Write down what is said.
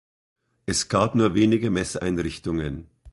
Es gab nur wenige Messeinrichtungen.